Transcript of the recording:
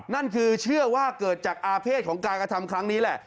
นั่นคือเชื่อว่าเกิดจากอาเภษของการกระทำครั้งนี้แหละ